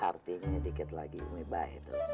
artinya dikit lagi umi bahir